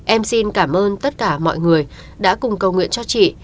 em xin cảm ơn tất cả mọi người đã cùng cầu nguyện cho chị